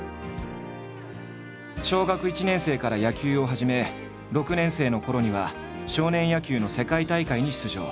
小学１年生から野球を始め６年生のころには少年野球の世界大会に出場。